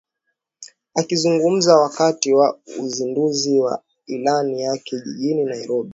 Akizungumza wakati wa uzinduzi wa ilani yake jijini Nairobi